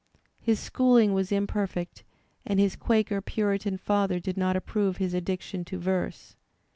His schooling was imperfect and his Quaker Puritan father did not approve his addiction to verse.